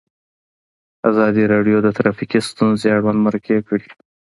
ازادي راډیو د ټرافیکي ستونزې اړوند مرکې کړي.